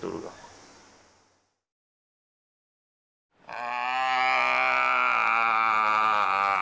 あ。